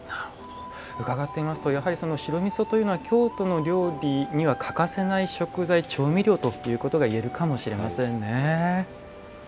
うかがっていますと白みそというのは京都の料理に欠かせない食材調味料ということがいえるかもしれませんね。